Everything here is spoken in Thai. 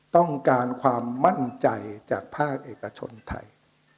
ต้องการความมั่นใจจากภาคเอกชนไทย